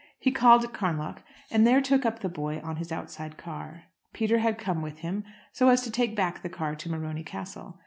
He called at Carnlough, and there took up the boy on his outside car. Peter had come with him, so as to take back the car to Morony Castle.